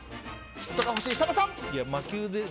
ヒットが欲しい、設楽さん！